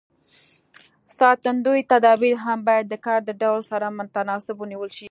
ساتندوی تدابیر هم باید د کار د ډول سره متناسب ونیول شي.